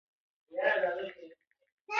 زه له خپلي کورنۍ سره په انځوریزه بڼه غږیږم.